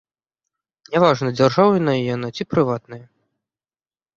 Не важна, дзяржаўная яна ці прыватная.